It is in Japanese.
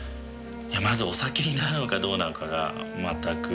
まずお酒になるのかどうなのかがまったく。